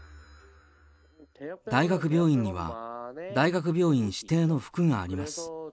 大学病院には大学病院指定の服があります。